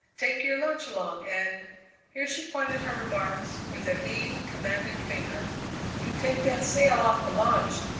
Take your lunch along and " Here she pointed her remarks with a lean, commanding finger: "You take that sail off the launch!